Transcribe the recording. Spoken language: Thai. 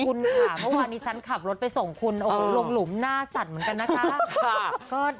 คุณค่ะเพราะว่านิซันขับรถไปส่งคุณโรงหลุมหน้าสั่นเหมือนกันนะคะ